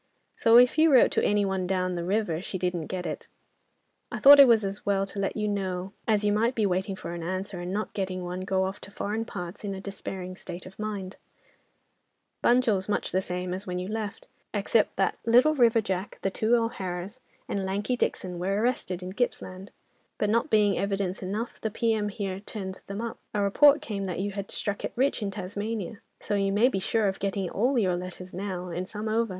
"So, if you wrote to any one down the river, she didn't get it. "I thought it as well to let you know, as you might be waiting for an answer, and not getting one, go off to foreign parts in a despairing state of mind. Bunjil's much the same as when you left, except that Little River Jack, the two O'Haras, and Lanky Dixon were arrested in Gippsland, but not being evidence enough, the P.M. here turned them up. A report came that you had struck it rich in Tasmania, so you may be sure of getting all your letters now and some over.